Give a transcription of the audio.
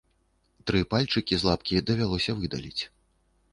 Тры пальчыкі з лапкі давялося выдаліць.